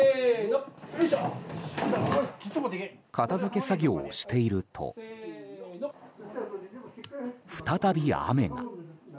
片付け作業をしていると再び雨が。